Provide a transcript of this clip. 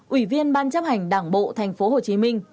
ủy viên ban chấp hành đảng bộ tp hcm